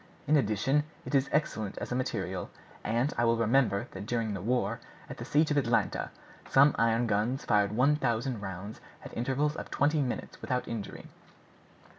In addition, it is excellent as a material, and I well remember that during the war, at the siege of Atlanta, some iron guns fired one thousand rounds at intervals of twenty minutes without injury."